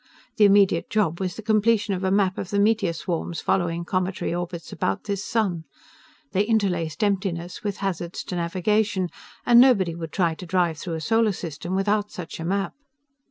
The immediate job was the completion of a map of the meteor swarms following cometary orbits about this sun. They interlaced emptiness with hazards to navigation, and nobody would try to drive through a solar system without such a map.